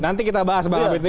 nanti kita bahas bang abed